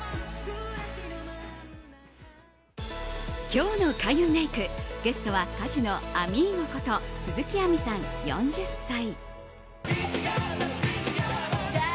今日の開運メイクゲストは歌手のあみーゴこと鈴木亜美さん、４０歳。